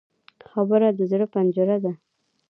خبره د زړه پنجره ده